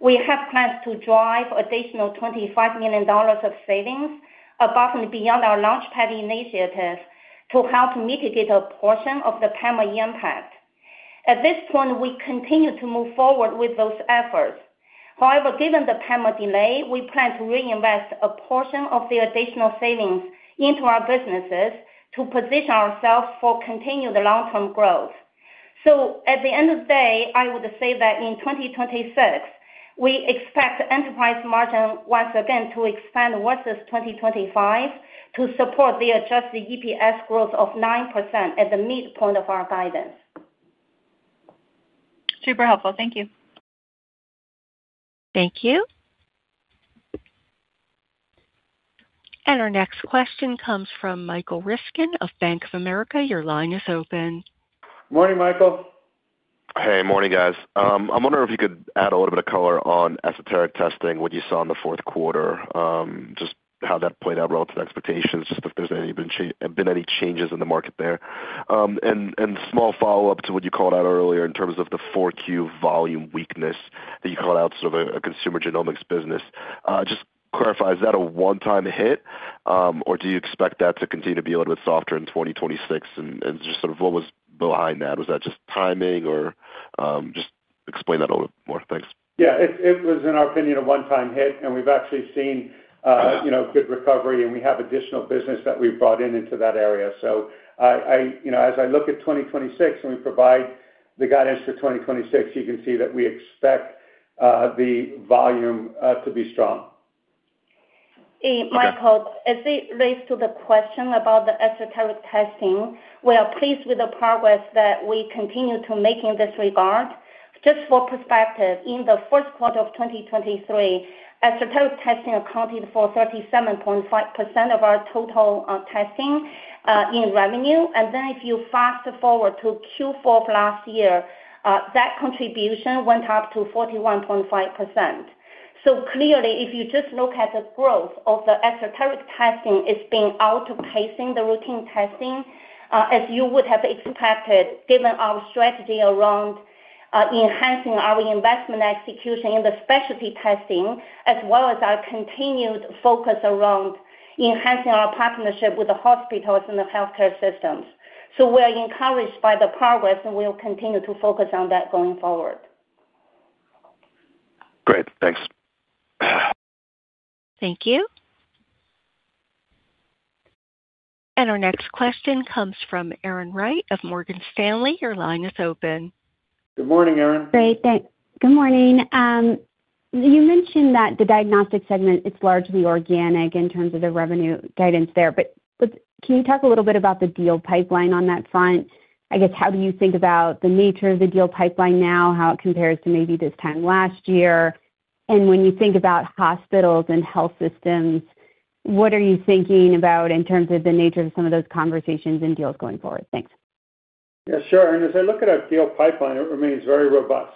we have plans to drive additional $25 million of savings above and beyond our LaunchPad initiative to help mitigate a portion of the PAMA impact. At this point, we continue to move forward with those efforts. However, given the PAMA delay, we plan to reinvest a portion of the additional savings into our businesses to position ourselves for continued long-term growth. At the end of the day, I would say that in 2026, we expect enterprise margin once again to expand versus 2025, to support the adjusted EPS growth of 9% at the midpoint of our guidance. Super helpful. Thank you. Thank you. Our next question comes from Michael Ryskin of Bank of America. Your line is open. Morning, Michael. Hey, morning, guys. I'm wondering if you could add a little bit of color on esoteric testing, what you saw in the fourth quarter, just how that played out relative to expectations, just if there's been any changes in the market there? And small follow-up to what you called out earlier in terms of the Q4 volume weakness that you called out, sort of a consumer genomics business. Just clarify, is that a one-time hit, or do you expect that to continue to be a little bit softer in 2026? And just sort of what was behind that? Was that just timing, or just explain that a little more. Thanks. Yeah, it was, in our opinion, a one-time hit, and we've actually seen, you know, good recovery, and we have additional business that we've brought in, into that area. So I, you know, as I look at 2026, when we provide the guidance for 2026, you can see that we expect the volume to be strong. Hey, Michael, as it relates to the question about the esoteric testing, we are pleased with the progress that we continue to make in this regard. Just for perspective, in the first quarter of 2023, esoteric testing accounted for 37.5% of our total testing in revenue. Then if you fast forward to Q4 of last year, that contribution went up to 41.5%. So clearly, if you just look at the growth of the esoteric testing, it's been outpacing the routine testing, as you would have expected, given our strategy around enhancing our investment execution in the specialty testing, as well as our continued focus around enhancing our partnership with the hospitals and the healthcare systems. So we're encouraged by the progress, and we'll continue to focus on that going forward. Great. Thanks. Thank you. Our next question comes from Erin Wright of Morgan Stanley. Your line is open. Good morning, Erin. Great, thanks. Good morning. You mentioned that the diagnostic segment, it's largely organic in terms of the revenue guidance there, but can you talk a little bit about the deal pipeline on that front? I guess, how do you think about the nature of the deal pipeline now, how it compares to maybe this time last year? And when you think about hospitals and health systems, what are you thinking about in terms of the nature of some of those conversations and deals going forward? Thanks. Yeah, sure. And as I look at our deal pipeline, it remains very robust.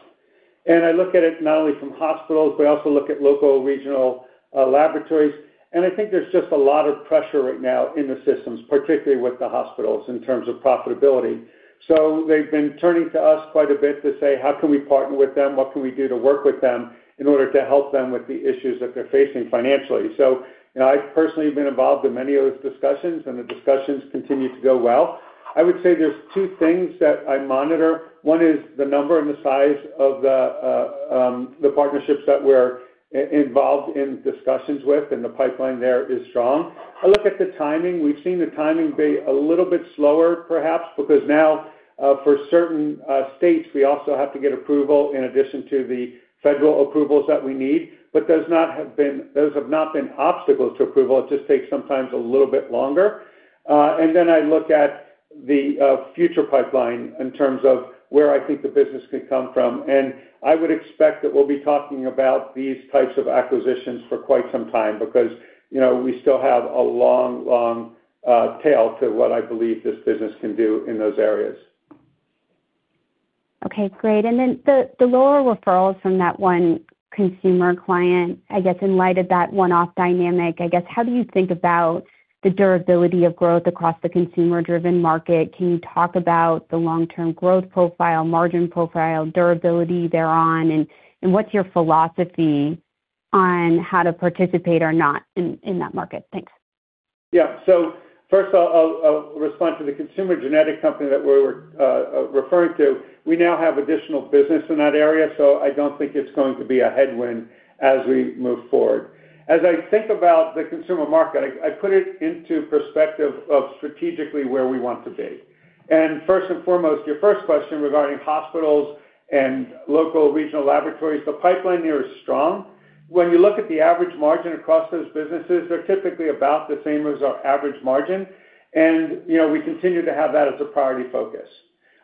And I look at it not only from hospitals, but I also look at local, regional, laboratories. And I think there's just a lot of pressure right now in the systems, particularly with the hospitals, in terms of profitability. So they've been turning to us quite a bit to say, how can we partner with them? What can we do to work with them in order to help them with the issues that they're facing financially? So I've personally been involved in many of those discussions, and the discussions continue to go well. I would say there's two things that I monitor. One is the number and the size of the partnerships that we're involved in discussions with, and the pipeline there is strong. I look at the timing. We've seen the timing be a little bit slower, perhaps, because now, for certain, states, we also have to get approval in addition to the federal approvals that we need. But those have not been obstacles to approval, it just takes sometimes a little bit longer. And then I look at the, future pipeline in terms of where I think the business could come from. And I would expect that we'll be talking about these types of acquisitions for quite some time because, you know, we still have a long, long, tail to what I believe this business can do in those areas. Okay, great. And then the, the lower referrals from that one consumer client, I guess in light of that one-off dynamic, I guess, how do you think about the durability of growth across the consumer-driven market? Can you talk about the long-term growth profile, margin profile, durability thereon, and, and what's your philosophy on how to participate or not in, in that market? Thanks. Yeah. So first I'll respond to the consumer genetic company that we're referring to. We now have additional business in that area, so I don't think it's going to be a headwind as we move forward. As I think about the consumer market, I put it into perspective of strategically where we want to be. First and foremost, your first question regarding hospitals and local regional laboratories, the pipeline here is strong. When you look at the average margin across those businesses, they're typically about the same as our average margin, and, you know, we continue to have that as a priority focus.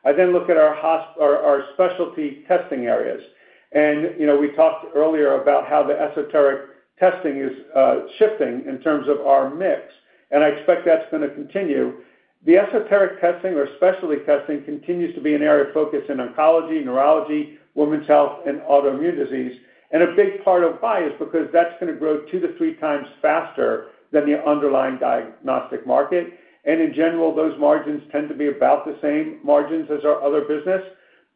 I then look at our specialty testing areas. You know, we talked earlier about how the esoteric testing is shifting in terms of our mix, and I expect that's going to continue. The esoteric testing or specialty testing continues to be an area of focus in oncology, neurology, women's health, and autoimmune disease. A big part of why is because that's gonna grow 2x-3x faster than the underlying diagnostic market. In general, those margins tend to be about the same margins as our other business.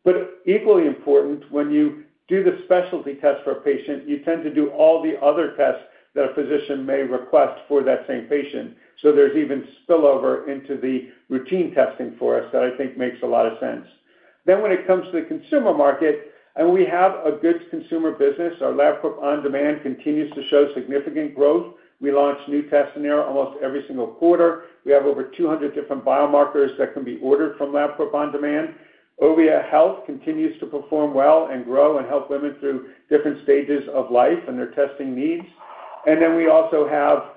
But equally important, when you do the specialty test for a patient, you tend to do all the other tests that a physician may request for that same patient. So there's even spillover into the routine testing for us that I think makes a lot of sense. When it comes to the consumer market, and we have a good consumer business, our Labcorp OnDemand continues to show significant growth. We launch new tests in there almost every single quarter. We have over 200 different biomarkers that can be ordered from Labcorp OnDemand. Ovia Health continues to perform well and grow and help women through different stages of life and their testing needs. And then we also have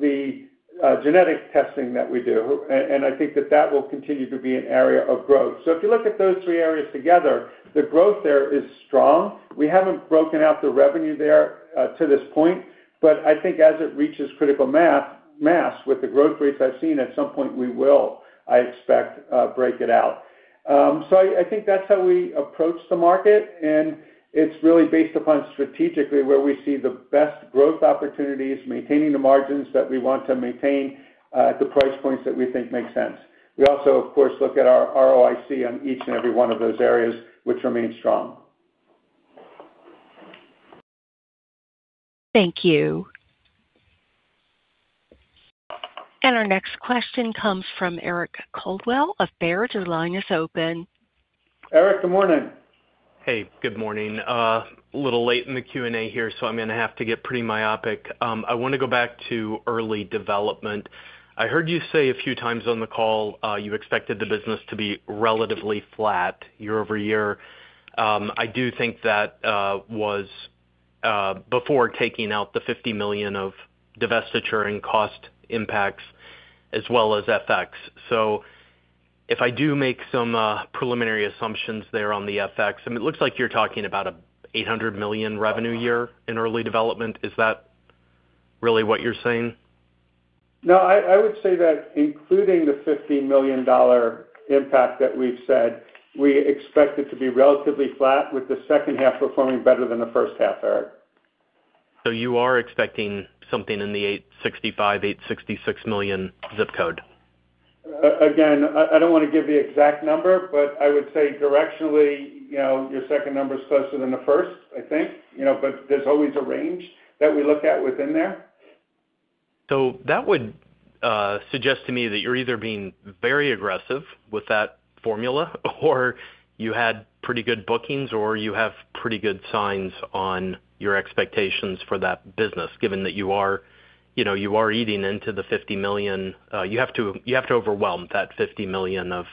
the genetic testing that we do, and I think that that will continue to be an area of growth. So if you look at those three areas together, the growth there is strong. We haven't broken out the revenue there to this point, but I think as it reaches critical mass with the growth rates I've seen, at some point we will, I expect, break it out. So I think that's how we approach the market, and it's really based upon strategically where we see the best growth opportunities, maintaining the margins that we want to maintain, at the price points that we think make sense. We also, of course, look at our ROIC on each and every one of those areas, which remains strong. Thank you. Our next question comes from Eric Coldwell of Baird. Your line is open. Eric, good morning. Hey, good morning. A little late in the Q&A here, so I'm gonna have to get pretty myopic. I want to go back to Early Development. I heard you say a few times on the call, you expected the business to be relatively flat year-over-year. I do think that was before taking out the $50 million of divestiture and cost impacts as well as FX. So if I do make some preliminary assumptions there on the FX, I mean, it looks like you're talking about a $800 million revenue year in Early Development. Is that really what you're saying? No, I would say that including the $50 million impact that we've said, we expect it to be relatively flat, with the second half performing better than the first half, Eric. So you are expecting something in the $865 million-$866 million zip code? Again, I don't wanna give the exact number, but I would say directionally, you know, your second number is closer than the first, I think. You know, but there's always a range that we look at within there. So that would suggest to me that you're either being very aggressive with that formula, or you had pretty good bookings, or you have pretty good signs on your expectations for that business, given that you are, you know, you are eating into the $50 million, you have to, you have to overwhelm that $50 million of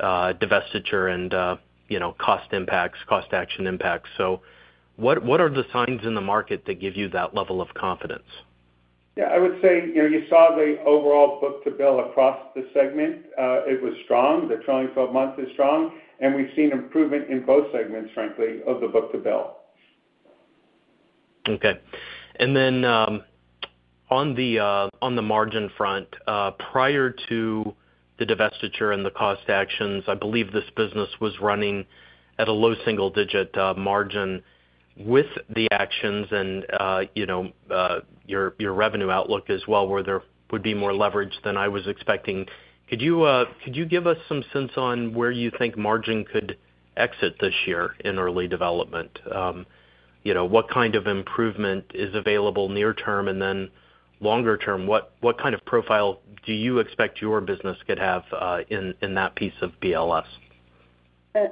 divestiture and, you know, cost impacts, cost action impacts. So what, what are the signs in the market that give you that level of confidence? Yeah, I would say, you know, you saw the overall book-to-bill across the segment. It was strong. The trailing 12 months is strong, and we've seen improvement in both segments, frankly, of the book-to-bill. Okay. And then, on the margin front, prior to the divestiture and the cost actions, I believe this business was running at a low-single-digit margin with the actions and, you know, your revenue outlook as well, where there would be more leverage than I was expecting. Could you, could you give us some sense on where you think margin could exit this year in Early Development? You know, what kind of improvement is available near term and then longer term? What, what kind of profile do you expect your business could have, in, in that piece of BLS?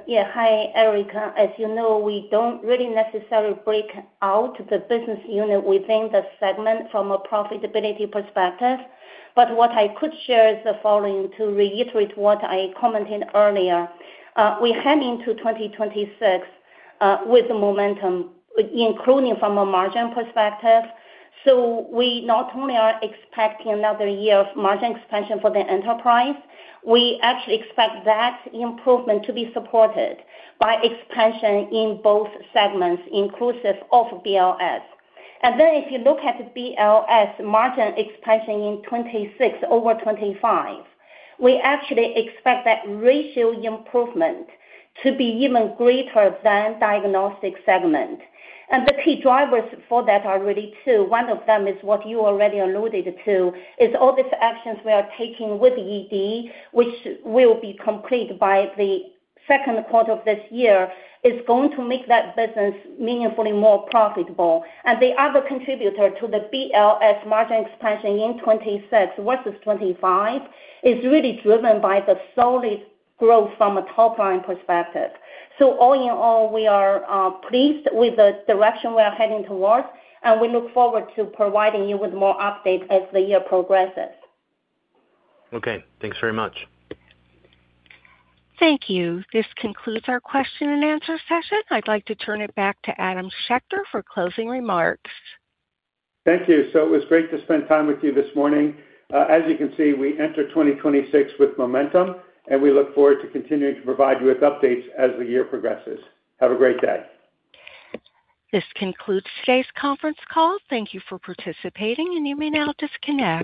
Yeah. Hi, Eric. As you know, we don't really necessarily break out the business unit within the segment from a profitability perspective. But what I could share is the following, to reiterate what I commented earlier. We head into 2026, with momentum, including from a margin perspective. So we not only are expecting another year of margin expansion for the enterprise, we actually expect that improvement to be supported by expansion in both segments, inclusive of BLS. And then if you look at the BLS margin expansion in 2026 over 2025, we actually expect that ratio improvement to be even greater than diagnostic segment. And the key drivers for that are really two. One of them is what you already alluded to, is all the actions we are taking with ED, which will be complete by the second quarter of this year, is going to make that business meaningfully more profitable. The other contributor to the BLS margin expansion in 2026 versus 2025 is really driven by the solid growth from a top-line perspective. All in all, we are pleased with the direction we are heading towards, and we look forward to providing you with more updates as the year progresses. Okay, thanks very much. Thank you. This concludes our question and answer session. I'd like to turn it back to Adam Schechter for closing remarks. Thank you. So it was great to spend time with you this morning. As you can see, we enter 2026 with momentum, and we look forward to continuing to provide you with updates as the year progresses. Have a great day. This concludes today's conference call. Thank you for participating, and you may now disconnect.